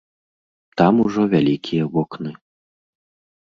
Там ужо вялікія вокны.